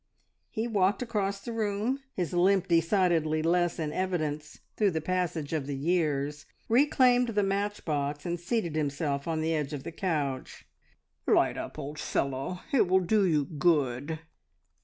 He walked across the room, his limp decidedly less in evidence through the passage of the years, reclaimed the matchbox, and seated himself on the edge of the couch. "Light up, old fellow! It will do you good."